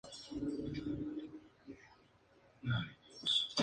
Una vez allí, pasó a diferentes barcos en las costas de Galicia.